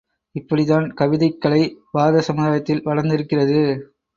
இப்படித்தான் கவிதைக் கலை பாரத சமுதாயத்தில் வளர்ந்திருக்கிறது.